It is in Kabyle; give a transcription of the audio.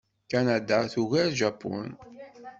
Kanada tugar Japun.